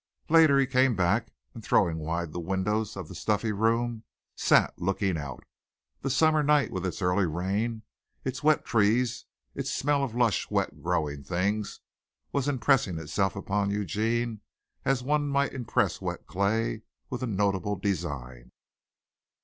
Later he came back and throwing wide the windows of the stuffy room sat looking out. The summer night with its early rain, its wet trees, its smell of lush, wet, growing things, was impressing itself on Eugene as one might impress wet clay with a notable design.